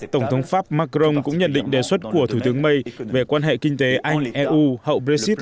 tổng thống pháp macron cũng nhận định đề xuất của thủ tướng may về quan hệ kinh tế anh eu hậu brexit